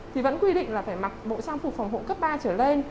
thì vẫn quy định là phải mặc bộ trang phục phòng hộ cấp ba trở lên